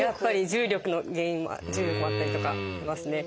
重力の原因も重力もあったりとかしますね。